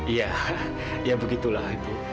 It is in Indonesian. ya ya begitulah ibu